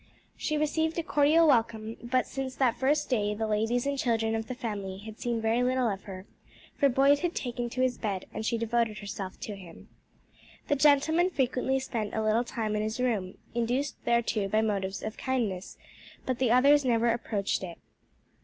She received a cordial welcome; but since that first day the ladies and children of the family had seen very little of her, for Boyd had taken to his bed, and she devoted herself to him. The gentlemen frequently spent a little time in his room, induced thereto by motives of kindness, but the others never approached it.